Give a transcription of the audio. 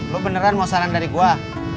lo beneran mau saran dari gue